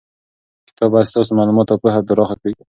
کتاب باید ستاسو معلومات او پوهه پراخه کړي.